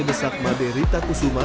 desak made rita kusuma